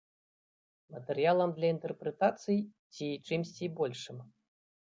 Матэрыялам для інтэрпрэтацый ці чымсьці большым?